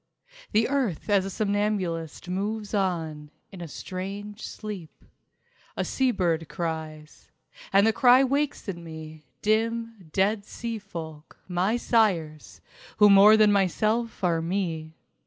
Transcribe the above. The earth as a somnambulist moves on In a strange sleep ... A sea bird cries. And the cry wakes in me Dim, dead sea folk, my sires Who more than myself are me.